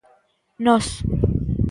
'Nós'.